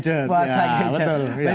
ya puasa gadget